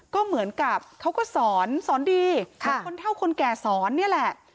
ก็เหมือนกับเขาก็สอนสอนดีเป็นคนเท่าคนแก่สอนนี่แหละ